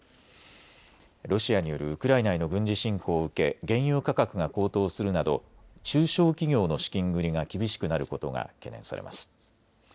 ロシアによるウクライナへの軍事侵攻を受け原油価格が高騰するなど中小企業の資金繰りが厳しくなることが懸念されます。